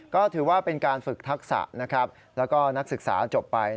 ก็ถือว่าเป็นการฝึกทักษะแล้วก็นักศึกษาจบไป